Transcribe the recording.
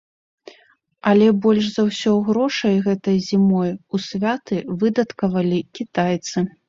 Але больш за ўсё грошай гэтай зімой у святы выдаткавалі кітайцы.